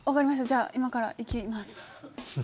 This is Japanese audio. じゃあ、今から行きます。